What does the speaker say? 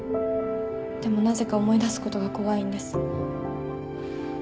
でもなぜか思い出すことが怖いんです。